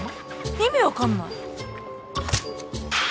意味分かんないハァ！